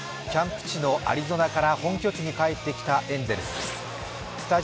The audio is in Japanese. キャンプ地のアリゾナから本拠地に帰ってきたエンゼルス。